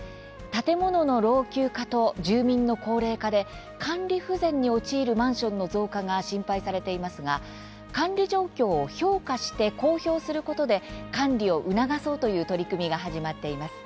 建物の老朽化と住民の高齢化で管理不全に陥るマンションの増加が心配されていますが管理状況を評価して公表することで管理を促そうという取り組みが始まっています。